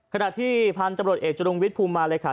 ขณะที่พันธุ์ตำรวจเอกจรุงวิทย์ภูมิมาเลยค่ะ